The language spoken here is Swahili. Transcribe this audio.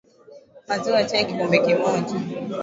maziwa ya chai kikombe kimoja